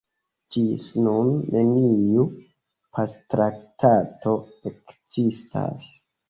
Ĝis nun neniu pactraktato ekzistas.